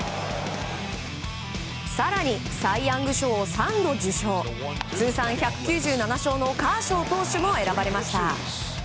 更にサイ・ヤング賞を３度受賞通算１９７勝のカーショー投手も選ばれました。